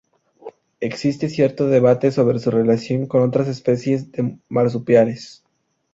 Existe cierto debate sobre su relación con otras especies de marsupiales.